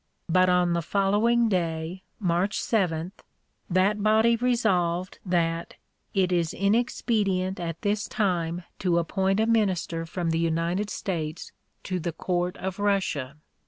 But on the following day, March 7, that body resolved that "it is inexpedient at this time to appoint a minister from the United States to the Court of Russia."